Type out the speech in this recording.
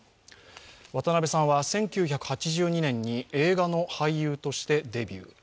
渡辺さんは１９８２年に映画の俳優としてデビュー。